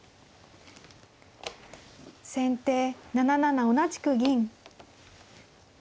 先手７七同じく銀。